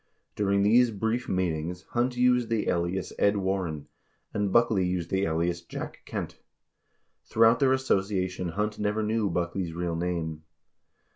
During these brief meet ings, Hunt used the alias Ed Warren, and Buckley used the alias Jack Kent. Throughout their association Hunt never knew Buckley's real name.